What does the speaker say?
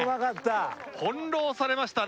翻弄されましたね。